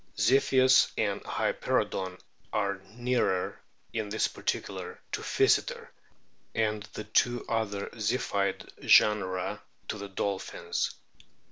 Ziphius and Hyperoodon are nearer in this particular to Physeter, and the two other Ziphioid genera to the dolphins.